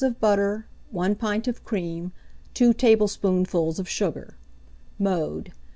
of butter, 1 pint of cream, 2 tablespoonfuls of sugar. Mode.